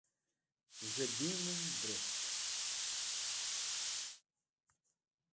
g̃hidim'en dret